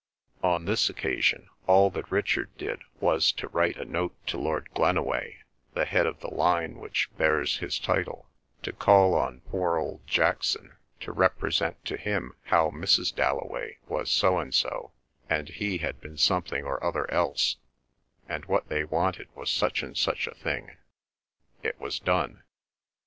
On this occasion all that Richard did was to write a note to Lord Glenaway, the head of the line which bears his title; to call on poor old Jackson; to represent to him how Mrs. Dalloway was so and so, and he had been something or other else, and what they wanted was such and such a thing. It was done.